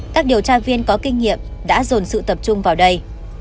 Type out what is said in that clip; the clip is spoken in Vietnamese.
các điều tra viên có kinh nghiệm đã dồn sự tập trung vào đây